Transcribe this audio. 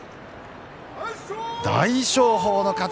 大翔鵬の勝ち。